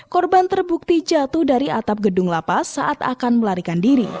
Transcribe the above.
korban terbukti jatuh dari atap gedung lapas saat akan melarikan diri